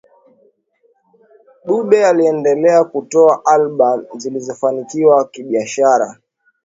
Dube aliendelea kutoa albamu zilizofanikiwa kibiashara